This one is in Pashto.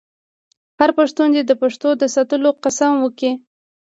هر پښتون دې د پښتو د ساتلو قسم وکړي.